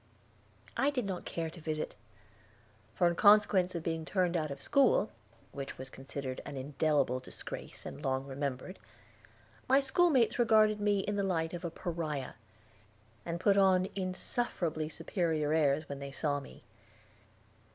I did not care to visit, for in consequence of being turned out of school, which was considered an indelible disgrace and long remembered, my schoolmates regarded me in the light of a Pariah, and put on insufferably superior airs when they saw me.